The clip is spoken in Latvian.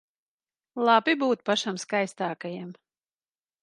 Labi būt pašam skaistākajam.